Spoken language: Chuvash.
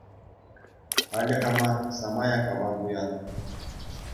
Халӗ хама самаях аван туятӑп.